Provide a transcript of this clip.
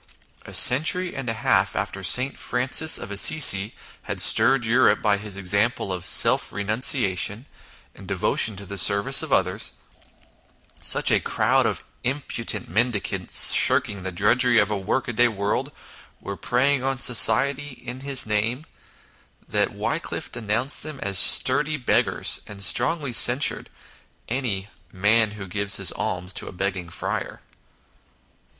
A century and a half after St. Francis of Assisi had stirred Europe by his example of self renunciation and devotion to the service of others, such a crowd to INTRODUCTION of impudent mendicants shirking the drudgery of a workaday world were preying on society in his name, that Wyclif denounced them as sturdy beggars, and strongly censured any " man who gives alms to a begging friar."